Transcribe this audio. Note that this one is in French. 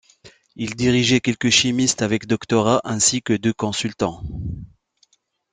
Il dirigeait quelques chimistes avec doctorats ainsi que deux consultants.